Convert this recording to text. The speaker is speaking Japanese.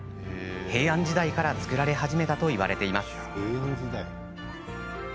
平安時代から作られ始めたといわれています。